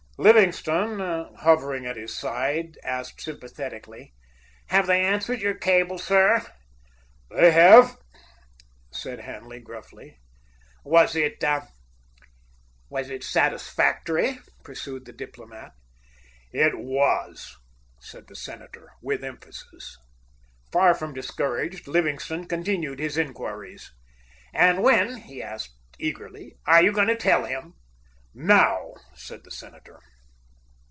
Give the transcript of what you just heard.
Livingstone, hovering at his side, asked sympathetically: "Have they answered your cable, sir?" "They have," said Hanley gruffly. "Was it—was it satisfactory?" pursued the diplomat. "It was," said the senator, with emphasis. Far from discouraged, Livingstone continued his inquiries. "And when," he asked eagerly, "are you going to tell him?" "Now!" said the senator.